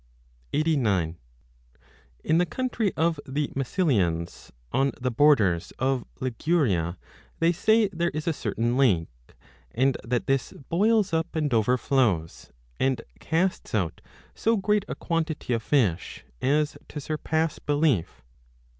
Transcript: Sg In the country of the Massilians, on the borders of Liguria, they say there is a certain lake, and that this boils up and overflows, and casts out so great a quantity 10 of fish as to surpass belief.